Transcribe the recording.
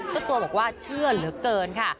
ตัวบอกว่าเชื่อเหลือเกินค่ะ